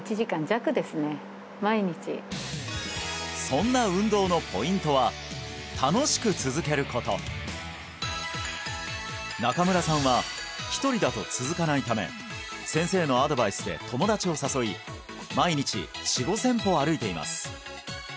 そんな運動のポイントは中村さんは１人だと続かないため先生のアドバイスで友達を誘い毎日４０００５０００歩歩いています